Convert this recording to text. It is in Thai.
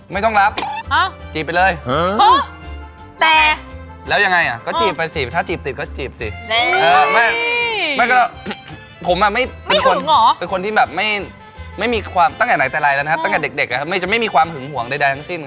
ไม่ต้องรับจีบไปเลยแล้วยังไงถ้าจีบติดก็จีบสิผมเป็นคนที่ไม่มีความหึงห่วงใดทั้งสิ้น